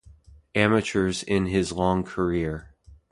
Amateurs in his long career.